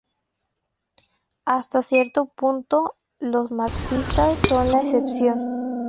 Hasta cierto punto, los marxistas son la excepción.